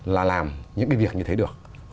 là làm những cái việc như thế được